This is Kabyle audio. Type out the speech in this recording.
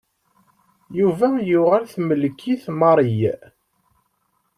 Yuba yuɣal temmlek-it Mary.